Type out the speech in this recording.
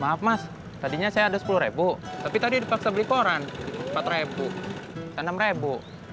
maaf mas tadinya saya ada sepuluh ribu tapi tadi dipaksa beli koran empat ribu saya enam ribu